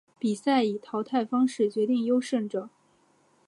比赛以淘汰赛方式决定优胜者。